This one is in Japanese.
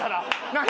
何？